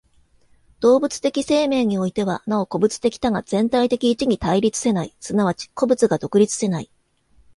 動物的生命においては、なお個物的多が全体的一に対立せない、即ち個物が独立せない。